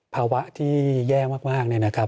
ภาวะที่แย่มากเนี่ยนะครับ